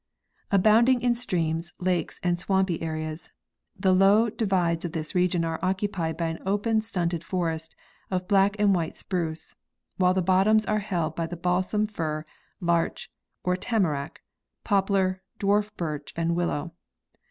Abounding in streams, lakes and swampy areas, the low divides of this region are occupied by an open stunted forest of black and white spruce, while the bottoms are held by the balsam fir, larch or tamarack, poplar, dwarf birch and willow.